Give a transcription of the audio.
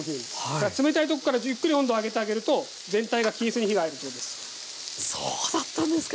だから冷たいとこからゆっくり温度を上げてあげると全体が均一に火が入るそうです。